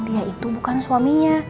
dia itu bukan suaminya